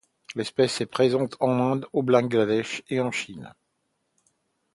L'espèce est présente en Inde, au Bangladesh et en Chine.